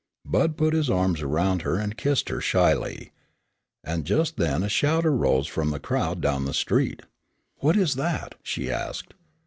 Bud put his arms around her and kissed her shyly. And just then a shout arose from the crowd down the street. "What's that?" she asked.